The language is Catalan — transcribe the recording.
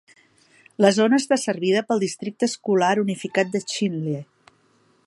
La zona està servida pel districte escolar unificat de Chinle.